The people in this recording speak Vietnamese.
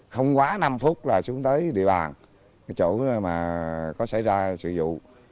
không quá năm phút là xuống tới địa bàn chỗ mà có xảy ra sự dụ